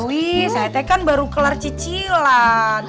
bu dewi saya kan baru kelar cicilan